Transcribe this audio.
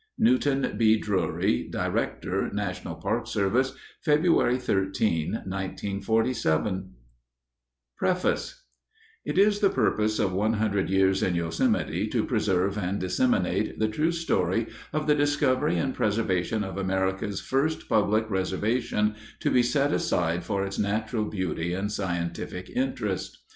_ Newton B. Drury, Director, National Park Service February 13, 1947 PREFACE _It is the purpose of One Hundred Years in Yosemite to preserve and disseminate the true story of the discovery and preservation of America's first public reservation to be set aside for its natural beauty and scientific interest.